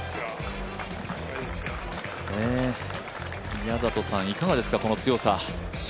宮里さん、いかがですかこの強さ？